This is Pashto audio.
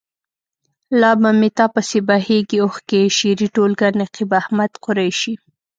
لا به مې تا پسې بهیږي اوښکې. شعري ټولګه. نقيب احمد قریشي.